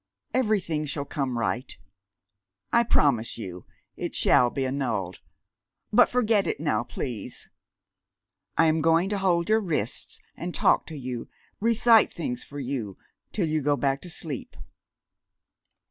Everything shall come right. I promise you it shall be annulled. But forget it now, please. I am going to hold your wrists and talk to you, recite things for you, till you go back to sleep."